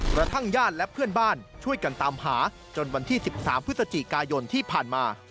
กระทั่งญาติและเพื่อนบ้านช่วยกันตามหาจนวันที่๑๓พฤศจิกายนที่ผ่านมา